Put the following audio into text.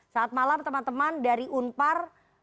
saat malam teman teman dari unpar